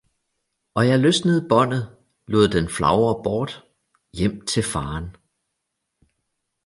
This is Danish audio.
og jeg løsnede Baandet, lod den flagre bort - hjem til Faderen.